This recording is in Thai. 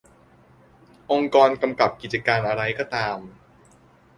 องค์กรกำกับกิจการอะไรก็ตาม